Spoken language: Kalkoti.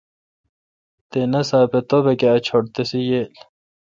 تے ناساپ اے°توبک اے چھٹ تسے°ییل۔